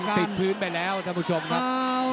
ติดพื้นไปแล้วท่านผู้ชมครับ